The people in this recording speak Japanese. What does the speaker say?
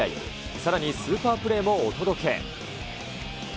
さらにスーパープレーもお届け。